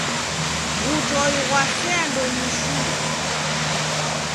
W'utoi ghwasea ndonyi shuu.